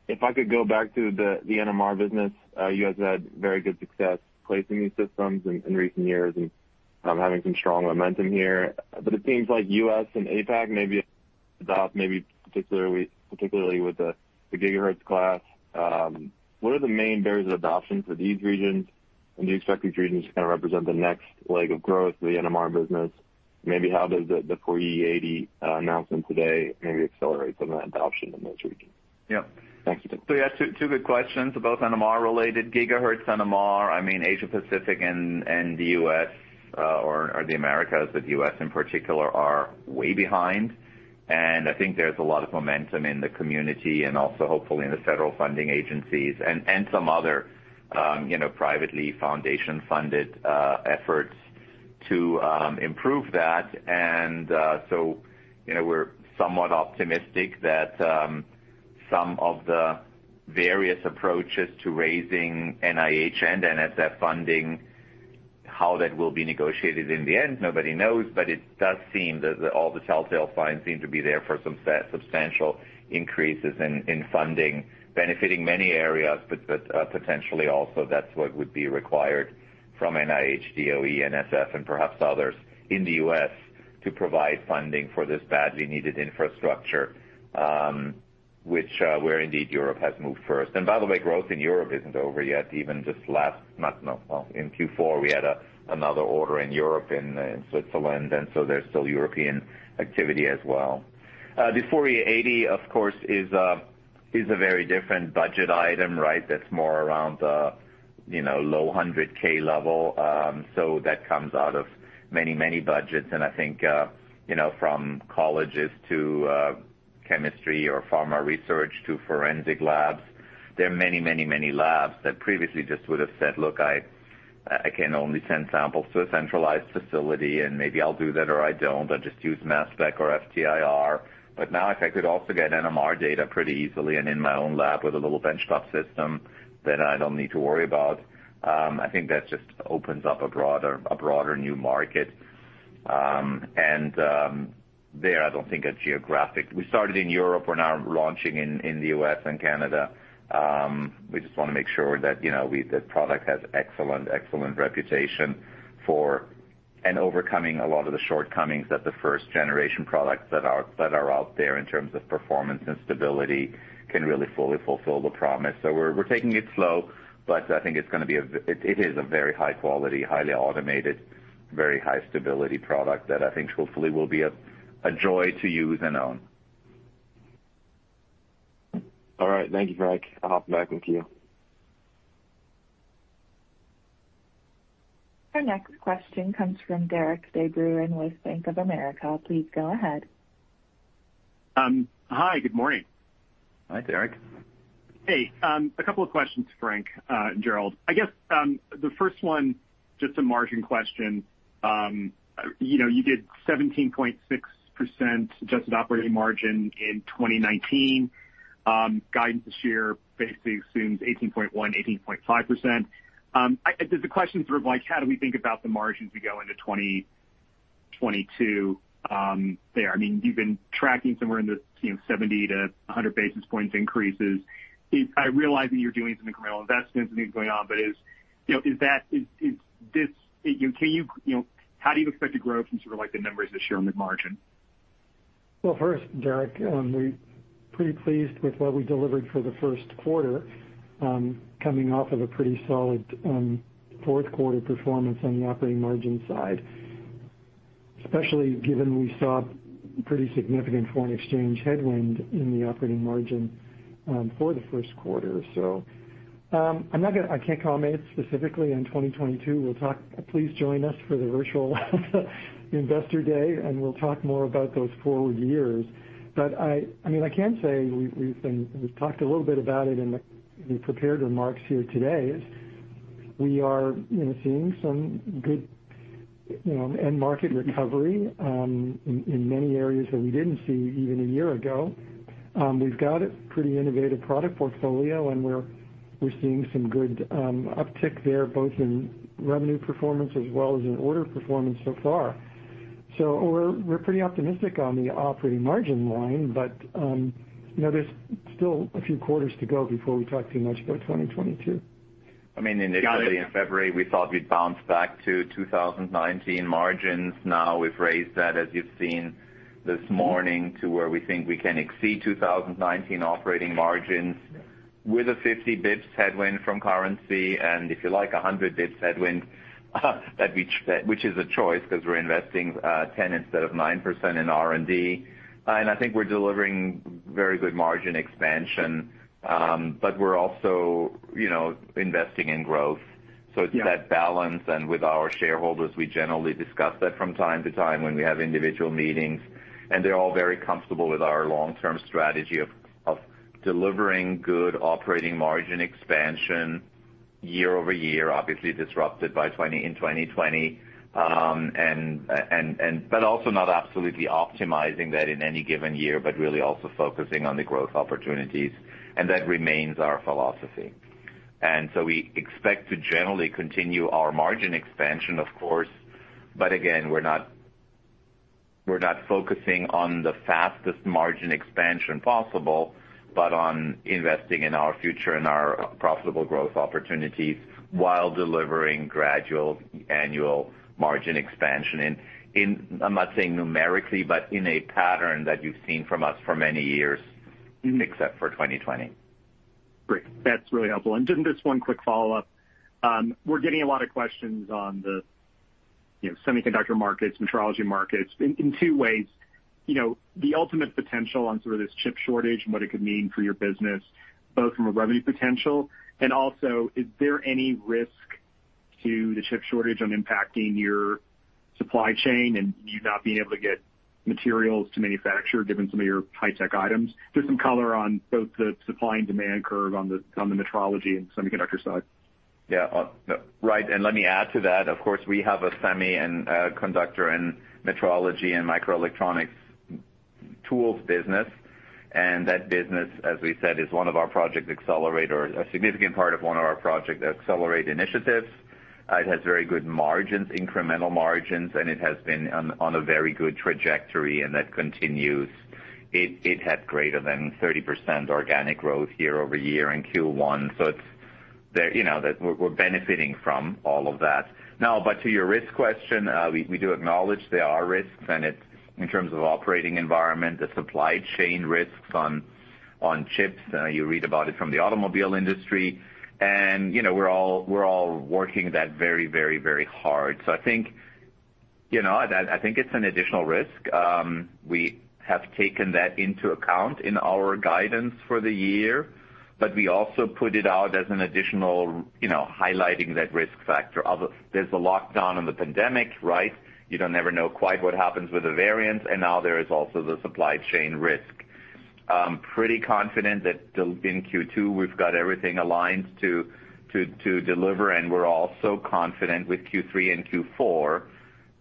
If I could go back to the NMR business, you guys have had very good success placing these systems in recent years and having some strong momentum here. But it seems like U.S. and APAC maybe adopt, maybe particularly with the GHz class. What are the main barriers of adoption for these regions, and do you expect these regions to kind of represent the next leg of growth for the NMR business? Maybe how does the Fourier 80 announcement today maybe accelerate some of that adoption in those regions? Yeah. Thank you. So yeah, two good questions. Both NMR-related, GHz NMR. I mean, Asia-Pacific and the U.S. or the Americas, but U.S. in particular are way behind. And I think there's a lot of momentum in the community and also hopefully in the federal funding agencies and some other private foundation-funded efforts to improve that. And so we're somewhat optimistic that some of the various approaches to raising NIH and NSF funding, how that will be negotiated in the end, nobody knows, but it does seem that all the telltale signs seem to be there for some substantial increases in funding benefiting many areas, but potentially also that's what would be required from NIH, DOE, NSF, and perhaps others in the U.S. to provide funding for this badly needed infrastructure, which, where indeed Europe has moved first. And by the way, growth in Europe isn't over yet. Well, in Q4, we had another order in Europe in Switzerland, and so there's still European activity as well. The Fourier 80, of course, is a very different budget item, right? That's more around the low $100K level. So that comes out of many, many, many labs that previously just would have said, "Look, I can only send samples to a centralized facility, and maybe I'll do that or I don't. I'll just use mass spec or FTIR." But now if I could also get NMR data pretty easily and in my own lab with a little benchtop system that I don't need to worry about, I think that just opens up a broader new market. And there, I don't think it's geographic. We started in Europe. We're now launching in the US and Canada. We just want to make sure that the product has excellent, excellent reputation for and overcoming a lot of the shortcomings that the first-generation products that are out there in terms of performance and stability can really fully fulfill the promise. So we're taking it slow, but I think it's going to be a it is a very high-quality, highly automated, very high-stability product that I think hopefully will be a joy to use and own. All right. Thank you, Frank. I'll hop back with you. Our next question comes from Derik De Bruin with Bank of America. Please go ahead. Hi, good morning. Hi, Derek. Hey. A couple of questions, Frank, Gerald. I guess the first one, just a margin question. You did 17.6% adjusted operating margin in 2019. Guidance this year basically assumes 18.1%-18.5%. The question's sort of like, how do we think about the margins we go into 2022 there? I mean, you've been tracking somewhere in the 70 to 100 basis points increases. I realize that you're doing some incremental investments and things going on, but is that can you how do you expect to grow from sort of the numbers this year on the margin? First, Derek, we're pretty pleased with what we delivered for the first quarter, coming off of a pretty solid fourth quarter performance on the operating margin side, especially given we saw pretty significant foreign exchange headwind in the operating margin for the first quarter. So I can't comment specifically on 2022. We'll talk. Please join us for the virtual Investor Day, and we'll talk more about those forward years. But I mean, I can say we've talked a little bit about it in the prepared remarks here today. We are seeing some good end market recovery in many areas that we didn't see even a year ago. We've got a pretty innovative product portfolio, and we're seeing some good uptick there, both in revenue performance as well as in order performance so far. So we're pretty optimistic on the operating margin line, but there's still a few quarters to go before we talk too much about 2022. I mean, initially in February, we thought we'd bounce back to 2019 margins. Now we've raised that, as you've seen this morning, to where we think we can exceed 2019 operating margins with a 50 basis points headwind from currency and, if you like, 100 basis points headwind, which is a choice because we're investing 10% instead of 9% in R&D. And I think we're delivering very good margin expansion, but we're also investing in growth. So it's that balance. And with our shareholders, we generally discuss that from time to time when we have individual meetings. And they're all very comfortable with our long-term strategy of delivering good operating margin expansion year-over-year, obviously disrupted by 20 in 2020, but also not absolutely optimizing that in any given year, but really also focusing on the growth opportunities. And that remains our philosophy. And so we expect to generally continue our margin expansion, of course. But again, we're not focusing on the fastest margin expansion possible, but on investing in our future and our profitable growth opportunities while delivering gradual annual margin expansion in. I'm not saying numerically, but in a pattern that you've seen from us for many years except for 2020. Great. That's really helpful. And just one quick follow-up. We're getting a lot of questions on the semiconductor markets, metrology markets, in two ways. The ultimate potential on sort of this chip shortage and what it could mean for your business, both from a revenue potential and also, is there any risk to the chip shortage on impacting your supply chain and you not being able to get materials to manufacture given some of your high-tech items? There's some color on both the supply and demand curve on the metrology and semiconductor side. Yeah. Right. And let me add to that. Of course, we have a semiconductor and metrology and microelectronics tools business. And that business, as we said, is one of our Project Accelerate, a significant part of one of our Project Accelerate initiatives. It has very good margins, incremental margins, and it has been on a very good trajectory, and that continues. It had greater than 30% organic growth year-over-year in Q1. So we're benefiting from all of that. Now, but to your risk question, we do acknowledge there are risks, and it's in terms of operating environment, the supply chain risks on chips. You read about it from the automobile industry. And we're all working that very, very, very hard. So I think it's an additional risk. We have taken that into account in our guidance for the year, but we also put it out as an additional highlighting that risk factor. There's a lockdown on the pandemic, right? You don't ever know quite what happens with the variants. And now there is also the supply chain risk. Pretty confident that in Q2, we've got everything aligned to deliver, and we're also confident with Q3 and Q4.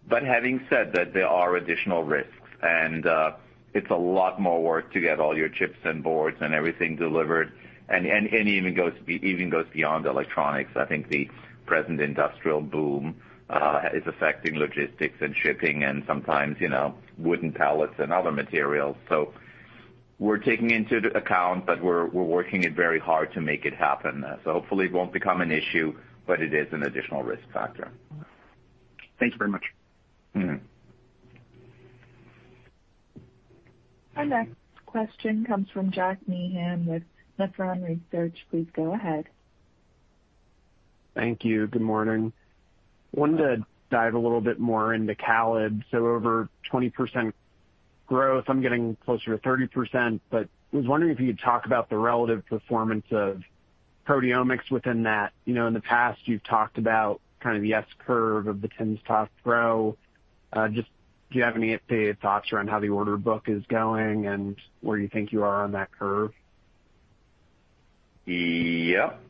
But having said that, there are additional risks, and it's a lot more work to get all your chips and boards and everything delivered. And it even goes beyond electronics. I think the present industrial boom is affecting logistics and shipping and sometimes wooden pallets and other materials. So we're taking into account, but we're working very hard to make it happen. So hopefully it won't become an issue, but it is an additional risk factor. Thank you very much. Our next question comes from Jack Meehan with Nephron Research. Please go ahead. Thank you. Good morning. I wanted to dive a little bit more into CALID. So over 20% growth, I'm getting closer to 30%, but I was wondering if you'd talk about the relative performance of proteomics within that. In the past, you've talked about kind of the S-curve of the timsTOF growth. Just do you have any updated thoughts around how the order book is going and where you think you are on that curve? Yep.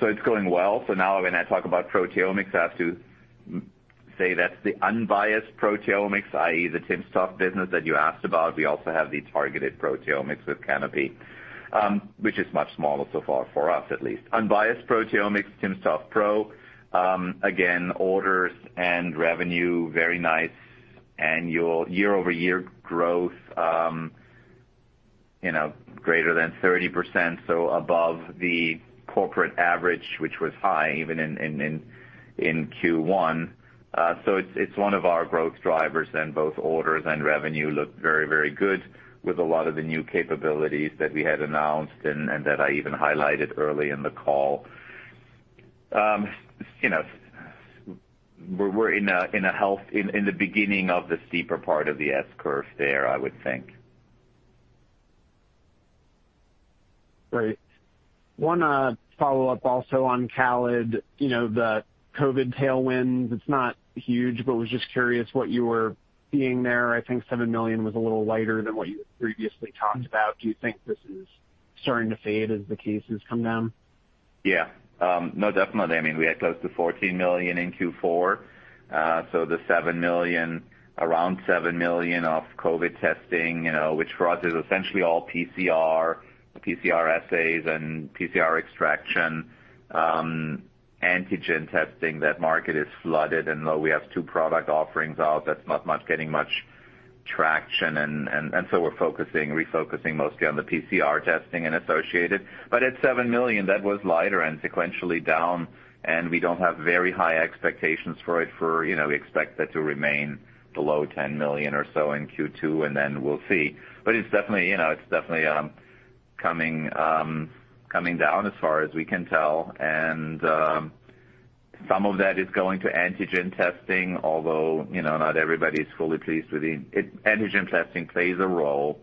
So it's going well. Now when I talk about proteomics, I have to say that's the unbiased proteomics, i.e., the timsTOF business that you asked about. We also have the targeted proteomics with Canopy, which is much smaller so far for us, at least. Unbiased proteomics, timsTOF Pro. Again, orders and revenue, very nice annual year-over-year growth, greater than 30%, so above the corporate average, which was high even in Q1. So it's one of our growth drivers, and both orders and revenue look very, very good with a lot of the new capabilities that we had announced and that I even highlighted early in the call. We're healthy in the beginning of the steeper part of the S-curve there, I would think. Great. One follow-up also on CALID, the COVID tailwinds. It's not huge, but was just curious what you were seeing there. I think $7 million was a little lighter than what you previously talked about. Do you think this is starting to fade as the cases come down? Yeah. No, definitely. I mean, we had close to $14 million in Q4. So the $7 million, around $7 million of COVID testing, which for us is essentially all PCR, PCR assays, and PCR extraction, antigen testing. That market is flooded. And though we have two product offerings out, that's not getting much traction. And so we're refocusing mostly on the PCR testing and associated. But at $7 million, that was lighter and sequentially down, and we don't have very high expectations for it. We expect that to remain below $10 million or so in Q2, and then we'll see. But it's definitely coming down as far as we can tell. And some of that is going to antigen testing, although not everybody's fully pleased with the antigen testing plays a role,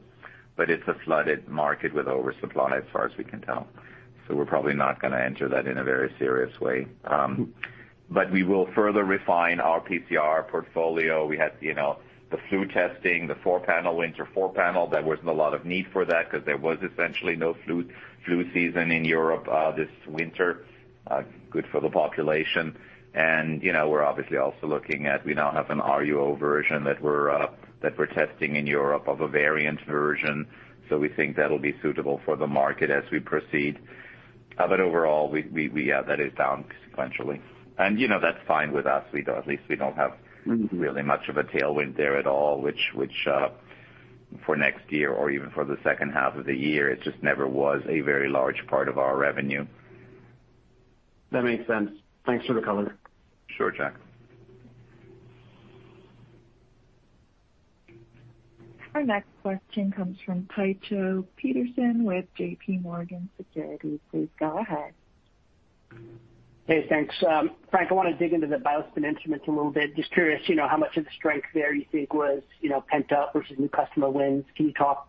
but it's a flooded market with oversupply as far as we can tell. So we're probably not going to enter that in a very serious way. But we will further refine our PCR portfolio. We had the flu testing, the four-panel winter four-panel. There wasn't a lot of need for that because there was essentially no flu season in Europe this winter. Good for the population. And we're obviously also looking at, we now have an RUO version that we're testing in Europe of a variant version. So we think that'll be suitable for the market as we proceed. But overall, yeah, that is down sequentially. And that's fine with us. At least we don't have really much of a tailwind there at all, which for next year or even for the second half of the year, it just never was a very large part of our revenue. That makes sense. Thanks for the color. Sure, Jack. Our next question comes from Tycho Peterson with J.P. Morgan. Please go ahead. Hey, thanks. Frank, I want to dig into the BioSpin instruments a little bit. Just curious how much of the strength there you think was pent up versus new customer wins. Can you talk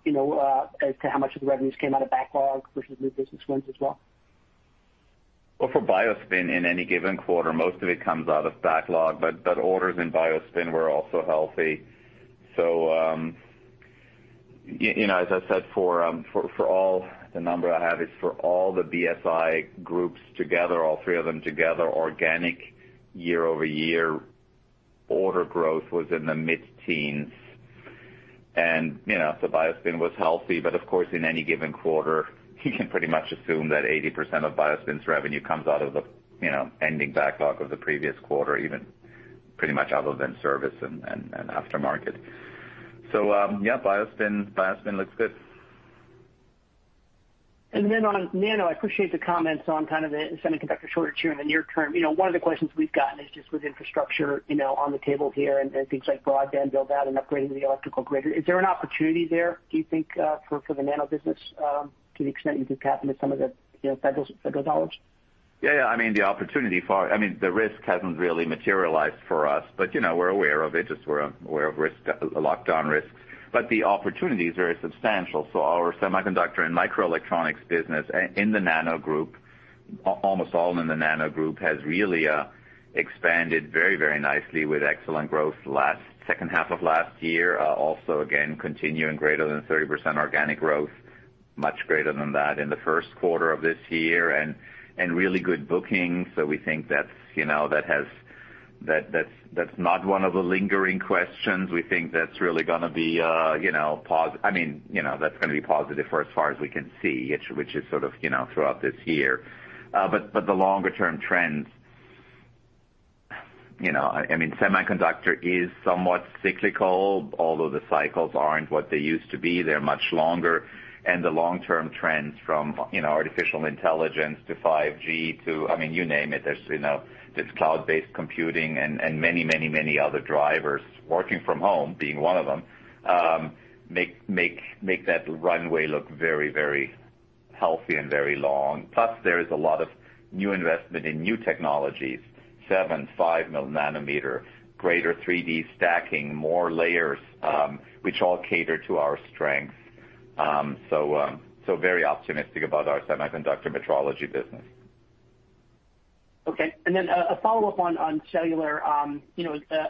as to how much of the revenues came out of backlog versus new business wins as well? For BioSpin in any given quarter, most of it comes out of backlog, but orders in BioSpin were also healthy. As I said, for all the number I have is for all the BSI groups together, all three of them together, organic year-over-year order growth was in the mid-teens. BioSpin was healthy. Of course, in any given quarter, you can pretty much assume that 80% of BioSpin's revenue comes out of the ending backlog of the previous quarter, even pretty much other than service and aftermarket. Yeah, BioSpin looks good. And then on Nano, I appreciate the comments on kind of the semiconductor shortage here in the near term. One of the questions we've gotten is just with infrastructure on the table here and things like broadband build-out and upgrading the electrical grid. Is there an opportunity there, do you think, for the Nano business to the extent you think happened to some of the federal dollars? Yeah, yeah. I mean, the opportunity. I mean, the risk hasn't really materialized for us, but we're aware of it. Just, we're aware of lockdown risks. But the opportunities are substantial. So our semiconductor and microelectronics business in the Nano Group, almost all in the Nano Group, has really expanded very, very nicely with excellent growth in the second half of last year. Also, again, continuing greater than 30% organic growth, much greater than that in the first quarter of this year, and really good booking. So we think that's not one of the lingering questions. We think that's really going to be a positive. I mean, that's going to be positive for as far as we can see, which is sort of throughout this year. But the longer-term trends, I mean, semiconductor is somewhat cyclical, although the cycles aren't what they used to be. They're much longer. And the long-term trends from artificial intelligence to 5G to, I mean, you name it. There's cloud-based computing and many, many, many other drivers, working from home being one of them, make that runway look very, very healthy and very long. Plus, there is a lot of new investment in new technologies, 7, 5 nanometer, greater 3D stacking, more layers, which all cater to our strengths. So very optimistic about our semiconductor metrology business. Okay. And then a follow-up on cellular,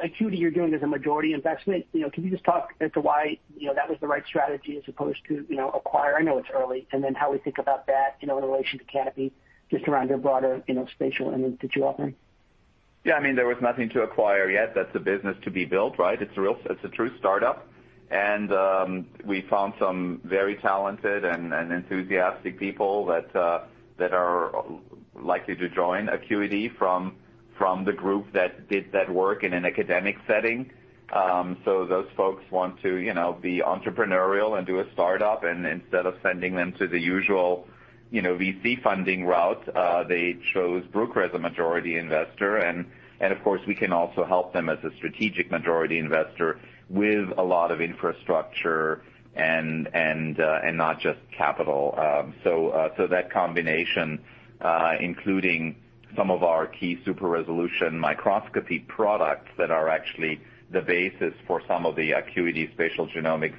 Acuity, you're doing as a majority investment. Can you just talk as to why that was the right strategy as opposed to acquisition? I know it's early. And then how we think about that in relation to Canopy, just around your broader spatial and in situ offering? Yeah. I mean, there was nothing to acquire yet. That's a business to be built, right? It's a true startup. And we found some very talented and enthusiastic people that are likely to join Acuity from the group that did that work in an academic setting. So those folks want to be entrepreneurial and do a startup. And instead of sending them to the usual VC funding route, they chose Bruker as a majority investor. And of course, we can also help them as a strategic majority investor with a lot of infrastructure and not just capital. That combination, including some of our key super-resolution microscopy products that are actually the basis for some of the Acuity spatial genomics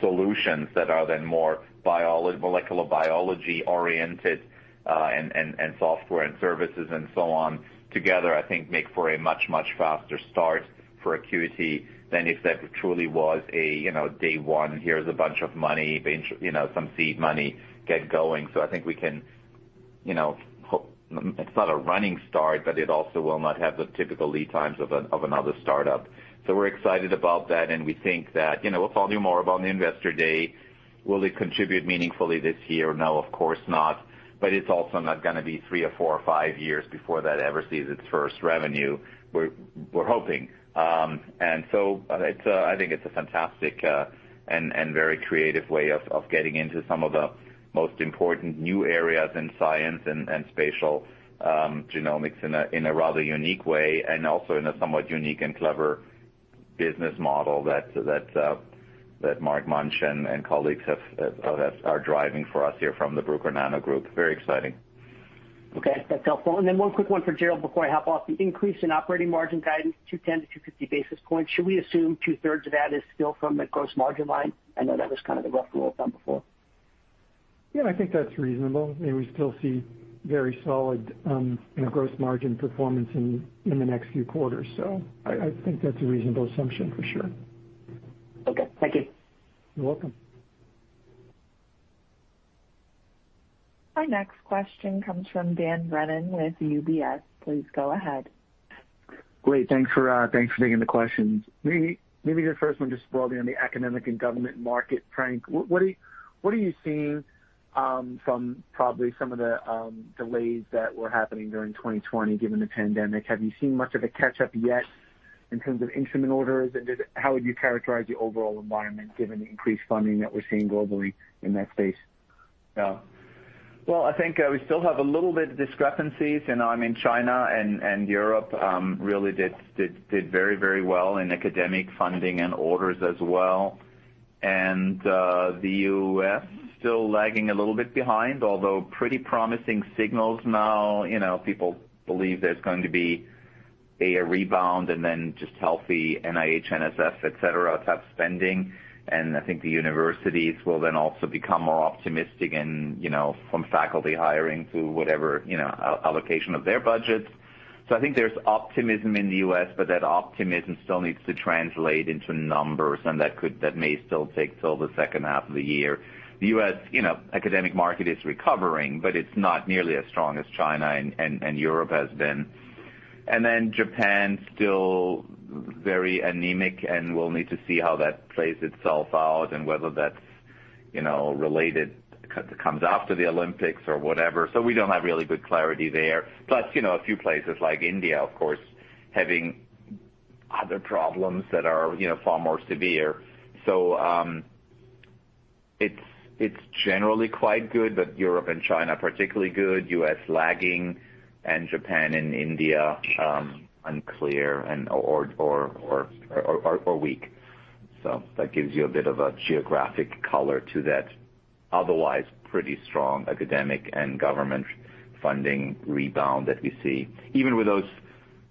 solutions that are then more molecular biology-oriented and software and services and so on together, I think, makes for a much, much faster start for Acuity than if that truly was a day one, here's a bunch of money, some seed money, get going. So I think we can. It's not a running start, but it also will not have the typical lead times of another startup. So we're excited about that. And we think that we'll tell you more about the Investor Day. Will it contribute meaningfully this year? No, of course not. But it's also not going to be three or four or five years before that ever sees its first revenue. We're hoping. And so I think it's a fantastic and very creative way of getting into some of the most important new areas in science and spatial genomics in a rather unique way and also in a somewhat unique and clever business model that Mark Munch and colleagues are driving for us here from the Bruker Nano Group. Very exciting. Okay. That's helpful. And then one quick one for Gerald before I hop off. The increase in operating margin guidance, 210-250 basis points. Should we assume two-thirds of that is still from the gross margin line? I know that was kind of a rough rule of thumb before. Yeah, I think that's reasonable. We still see very solid gross margin performance in the next few quarters. So I think that's a reasonable assumption for sure. Okay. Thank you. You're welcome. Our next question comes from Dan Brennan with UBS. Please go ahead. Great. Thanks for taking the question. Maybe the first one just broadly on the academic and government market, Frank. What are you seeing from probably some of the delays that were happening during 2020 given the pandemic? Have you seen much of a catch-up yet in terms of instrument orders? And how would you characterize the overall environment given the increased funding that we're seeing globally in that space? Yeah. Well, I think we still have a little bit of discrepancies. And I mean, China and Europe really did very, very well in academic funding and orders as well. And the U.S. still lagging a little bit behind, although pretty promising signals now. People believe there's going to be a rebound and then just healthy NIH, NSF, etc. type spending. And I think the universities will then also become more optimistic from faculty hiring to whatever allocation of their budgets. So I think there's optimism in the U.S., but that optimism still needs to translate into numbers, and that may still take till the second half of the year. The U.S. academic market is recovering, but it's not nearly as strong as China and Europe has been. And then Japan still very anemic, and we'll need to see how that plays itself out and whether that's related to comes after the Olympics or whatever. So we don't have really good clarity there. Plus a few places like India, of course, having other problems that are far more severe. So it's generally quite good, but Europe and China particularly good, US lagging, and Japan and India unclear or weak. So that gives you a bit of a geographic color to that otherwise pretty strong academic and government funding rebound that we see. Even with those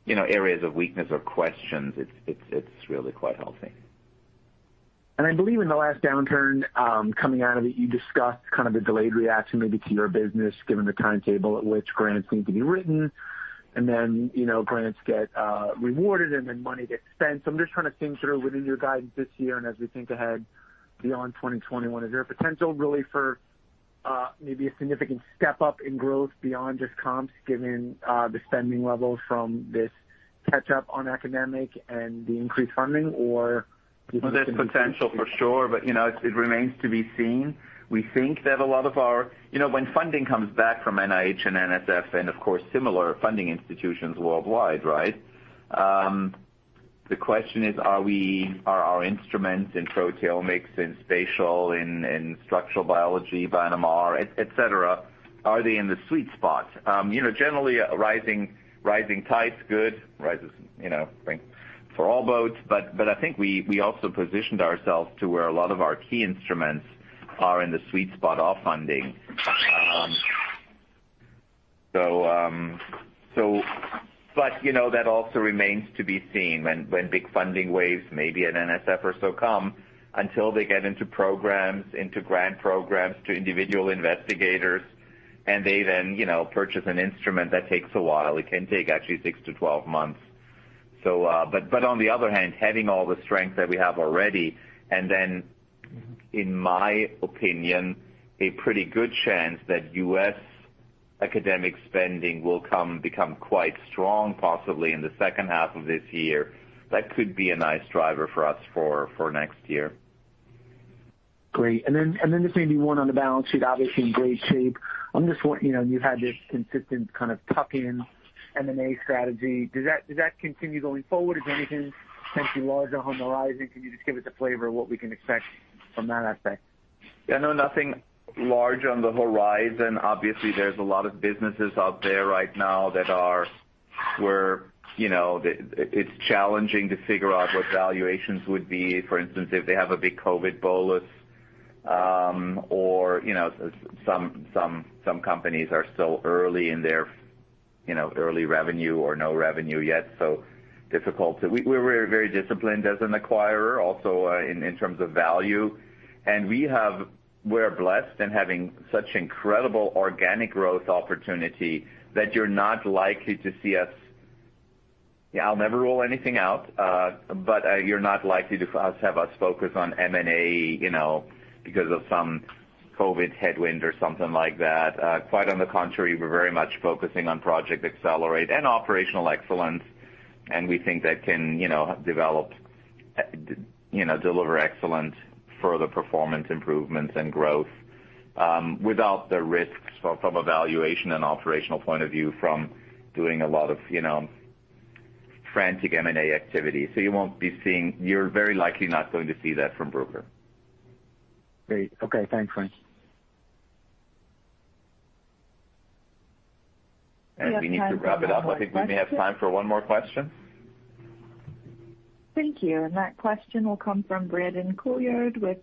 areas of weakness or questions, it's really quite healthy. And I believe in the last downturn coming out of it, you discussed kind of the delayed reaction maybe to your business given the timetable at which grants need to be written, and then grants get rewarded, and then money gets spent. So I'm just trying to think through within your guidance this year and as we think ahead beyond 2021, is there a potential really for maybe a significant step up in growth beyond just comps given the spending levels from this catch-up on academic and the increased funding, or do you think there's? There's potential for sure, but it remains to be seen. We think that a lot of our when funding comes back from NIH and NSF and, of course, similar funding institutions worldwide, right? The question is, are our instruments in proteomics and spatial and structural biology, biomarker, etc., are they in the sweet spot? Generally, rising tide's good. Rises for all boats. But I think we also positioned ourselves to where a lot of our key instruments are in the sweet spot of funding. But that also remains to be seen when big funding waves, maybe at NSF or so, come until they get into programs, into grant programs to individual investigators, and they then purchase an instrument that takes a while. It can take actually six to 12 months. But on the other hand, having all the strength that we have already, and then, in my opinion, a pretty good chance that U.S. academic spending will become quite strong, possibly in the second half of this year, that could be a nice driver for us for next year. Great. And then just maybe one on the balance sheet, obviously in great shape. I'm just wondering, you've had this consistent kind of tuck-in M&A strategy. Does that continue going forward? Is there anything potentially larger on the horizon? Can you just give us a flavor of what we can expect from that aspect? Yeah. No, nothing large on the horizon. Obviously, there's a lot of businesses out there right now that are where it's challenging to figure out what valuations would be. For instance, if they have a big COVID bolus or some companies are still early in their revenue or no revenue yet, so difficult. We're very disciplined as an acquirer, also in terms of value. And we're blessed in having such incredible organic growth opportunity that you're not likely to see us. I'll never rule anything out, but you're not likely to have us focus on M&A because of some COVID headwind or something like that. Quite on the contrary, we're very much focusing on Project Accelerate and operational excellence. We think that can develop, deliver excellent further performance improvements and growth without the risks from a valuation and operational point of view from doing a lot of frantic M&A activity. You won't be seeing. You're very likely not going to see that from Bruker. Great. Okay. Thanks, Frank. We need to wrap it up. I think we may have time for one more question. Thank you. And that question will come from Brandon Couillard with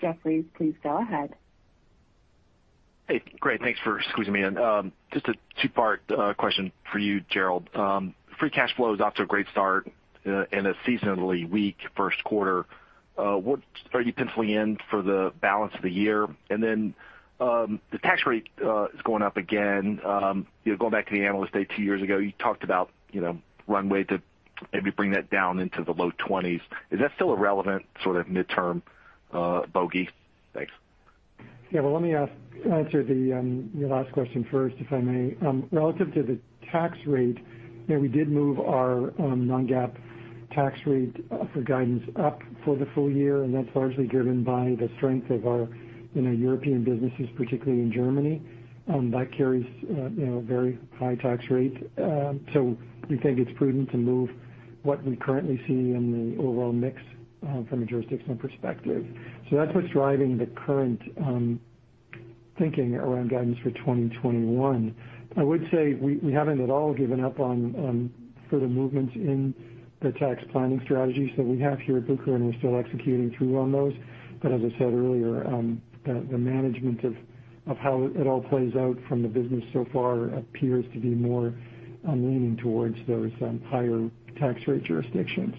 Jefferies. Please go ahead. Hey. Great. Thanks for squeezing me in. Just a two-part question for you, Gerald. Free cash flow is off to a great start in a seasonally weak first quarter. What are you penciling in for the balance of the year? And then the tax rate is going up again. Going back to the Analyst Day two years ago, you talked about runway to maybe bring that down into the low 20s. Is that still a relevant sort of midterm bogey? Thanks. Yeah. Well, let me answer the last question first, if I may. Relative to the tax rate, we did move our non-GAAP tax rate for guidance up for the full year. And that's largely driven by the strength of our European businesses, particularly in Germany. That carries a very high tax rate. So we think it's prudent to move what we currently see in the overall mix from a jurisdictional perspective. So that's what's driving the current thinking around guidance for 2021. I would say we haven't at all given up on further movements in the tax planning strategies that we have here at Bruker, and we're still executing through on those. But as I said earlier, the management of how it all plays out from the business so far appears to be more leaning towards those higher tax rate jurisdictions.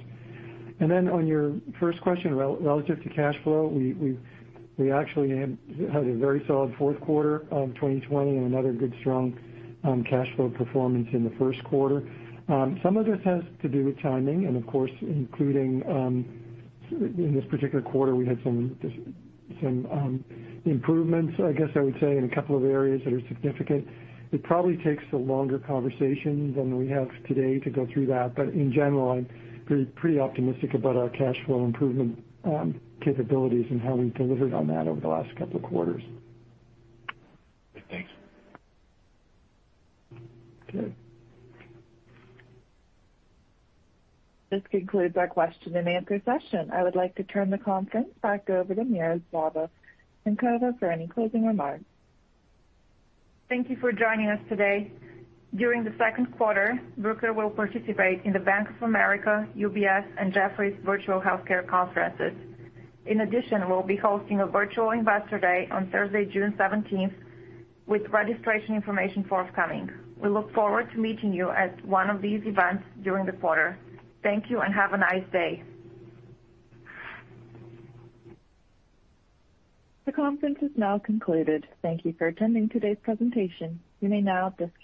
And then on your first question relative to cash flow, we actually had a very solid fourth quarter of 2020 and another good strong cash flow performance in the first quarter. Some of this has to do with timing. And of course, including in this particular quarter, we had some improvements, I guess I would say, in a couple of areas that are significant. It probably takes a longer conversation than we have today to go through that. But in general, I'm pretty optimistic about our cash flow improvement capabilities and how we've delivered on that over the last couple of quarters. Thanks. This concludes our question and answer session. I would like to turn the conference back over to Miroslava Minkova for any closing remarks. Thank you for joining us today. During the second quarter, Bruker will participate in the Bank of America, UBS, and Jefferies Virtual Healthcare Conferences. In addition, we'll be hosting a virtual Investor Day on Thursday, June 17th, with registration information forthcoming. We look forward to meeting you at one of these events during the quarter. Thank you and have a nice day. The conference is now concluded. Thank you for attending today's presentation. You may now disconnect.